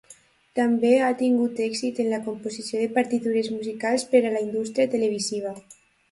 També ha tingut èxit en la composició de partitures musicals per a la indústria televisiva.